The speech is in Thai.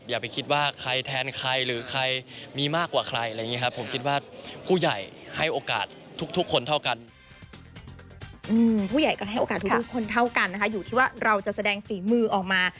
อย่าไปคิดว่าใครแทนใครหรือใครมีมากกว่าใครอะไรอย่างนี้ครับ